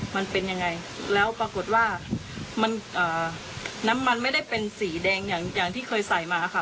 มันเป็นยังไงแล้วปรากฏว่ามันน้ำมันไม่ได้เป็นสีแดงอย่างที่เคยใส่มาค่ะ